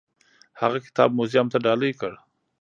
هغه کتاب موزیم ته ډالۍ کړ.